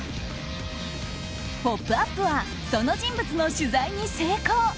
「ポップＵＰ！」はその人物の取材に成功。